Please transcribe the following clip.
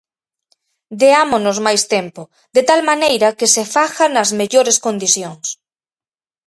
Deámonos máis tempo de tal maneira que se faga nas mellores condicións.